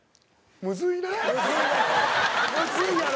ノブ：むずいやろ。